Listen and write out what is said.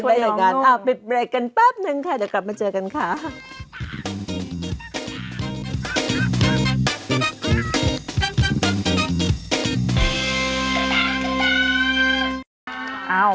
เออคิดไปเรียกกันปั๊บหนึ่งค่ะเดี๋ยวกลับมาเจอกันค่ะ